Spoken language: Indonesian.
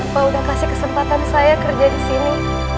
pak udah kasih kesempatan saya kerja disini